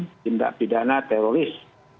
untuk pemerintahan pemerintahan teroris